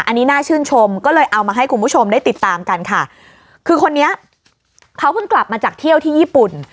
อันนี้น่าชื่นชมก็เลยเอามาให้คุณผู้ชมได้ติดตามกันค่ะคือคนนี้เขาเพิ่งกลับมาจากเที่ยวที่ญี่ปุ่น